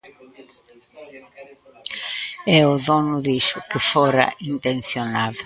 E o dono dixo que fora intencionado.